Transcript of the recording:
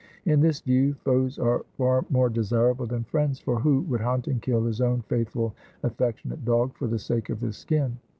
In this view, foes are far more desirable than friends; for who would hunt and kill his own faithful affectionate dog for the sake of his skin?